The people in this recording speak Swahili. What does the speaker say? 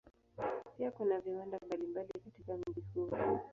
Pia kuna viwanda mbalimbali katika mji huo.